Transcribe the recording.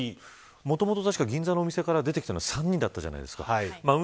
もともと銀座のお店から出てきたのは３人だったじゃないですか。